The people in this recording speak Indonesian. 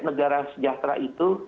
negara sejahtera itu